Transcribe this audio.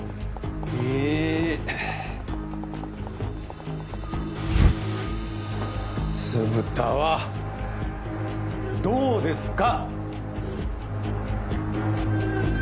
えっ酢豚はどうですか？